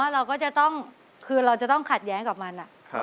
เราก็จะต้องคือเราจะต้องขัดแย้งกับมัน